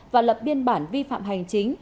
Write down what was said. và lập biên bản vi phạm hành chính